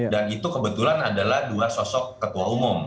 dan itu kebetulan adalah dua sosok ketua umum